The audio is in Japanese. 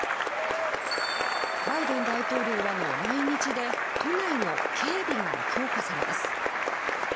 バイデン大統領らの来日で都内の警備が強化されます。